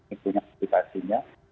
ini punya aplikasinya